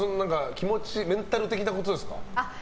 気持ち、メンタル的なことですか。